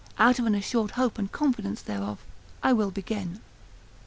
Out of an assured hope and confidence thereof, I will begin.